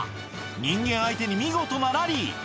人間相手に見事なラリー。